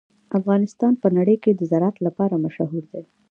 افغانستان په نړۍ کې د زراعت لپاره مشهور دی.